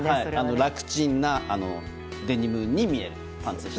らくちんなデニムに見えるパンツでした。